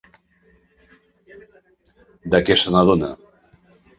De què se n'adona?